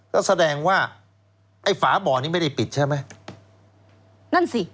ก็แสดงว่าไอ้ฝาบ่อนี้ไม่ได้ปิดใช่ไหม